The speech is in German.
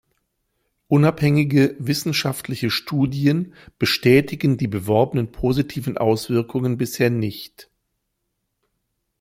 Unabhängige wissenschaftliche Studien bestätigen die beworbenen positiven Auswirkungen bisher nicht.